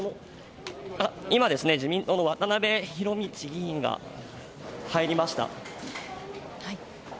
今、自民党の渡辺博道議員が入りました。